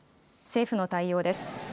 政府の対応です。